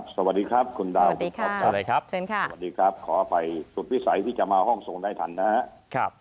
สวัสดีครับคุณดาวสวัสดีครับขออภัยสุดพิสัยที่จะมาห้องส่งได้ทันนะครับ